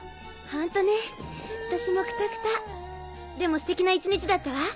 ホントね私もクタクタでもステキな一日だったわ。